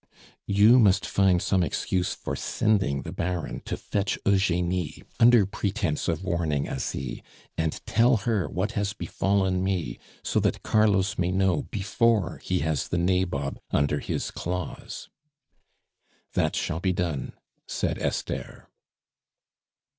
"You must find some excuse for sending the Baron to fetch Eugenie under pretence of warning Asie, and tell her what has befallen me, so that Carlos may know before he has the nabob under his claws." "That shall be done," said Esther.